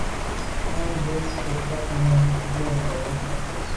Manwù ke mfôg num mo’ ngelan à tèttswe’.